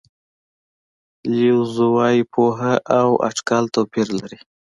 لیو زو وایي پوهه او اټکل توپیر لري.